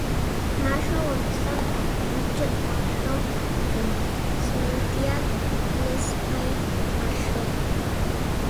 Marshall was the son of Richard Marshall and Symanthia Gillespie Marshall.